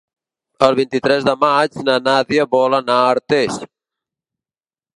El vint-i-tres de maig na Nàdia vol anar a Artés.